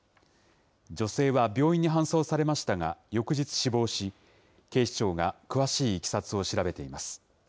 女性は病院に搬送されましたが、翌日、死亡し、警視庁が詳しいいきさつを調べています。